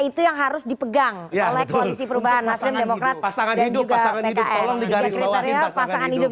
itu yang harus dipegang ya oleh polisi perubahan nasional demokrat pasangan hidup pasangan hidup